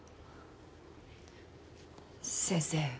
先生。